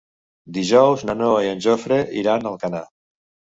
Dijous na Noa i en Jofre iran a Alcanar.